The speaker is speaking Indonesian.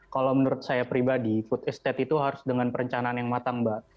kalau menurut saya pribadi food estate itu harus dengan perencanaan yang matang mbak